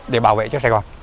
để bảo vệ cho sài gòn